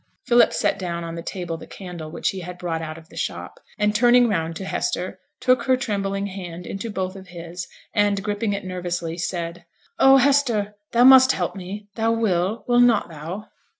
Philip set down on the table the candle which he had brought out of the shop, and turning round to Hester, took her trembling hand into both of his, and gripping it nervously, said 'Oh! Hester, thou must help me thou will, will not thou?'